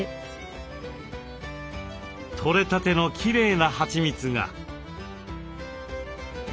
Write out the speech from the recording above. とれたてのきれいなはちみつが。